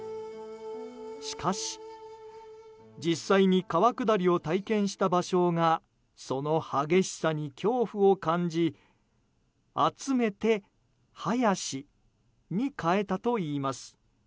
しかし実際に川下りを体験した芭蕉がその激しさに恐怖を感じ「集めて早し」に変えたといいます。